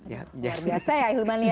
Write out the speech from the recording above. luar biasa ya